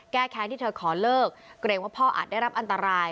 แก้แค้นที่เธอขอเลิกเกรงว่าพ่ออาจได้รับอันตราย